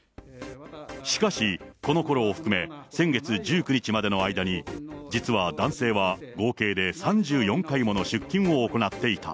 しかし、このころを含め、先月１９日までの間に、実は男性は、合計で３４回もの出金を行っていた。